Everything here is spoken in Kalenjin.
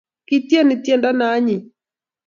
kityeni tiendo ne anyiny